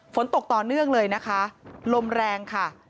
ฝนตกต่อเนื่องเลยลมแรง